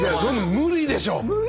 無理でしょ。